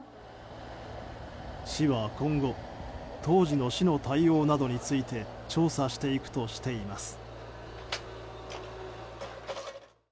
市は、今後当時の市の対応などについて調査していくとしています。